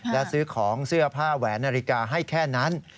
และซื้อของเสื้อผ้าแหวนนาฬิกาให้แค่นั้น